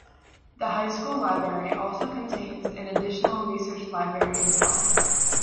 The high school library also contains an additional research library inside.